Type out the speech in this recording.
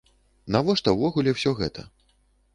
Навошта увогуле ўсё гэта?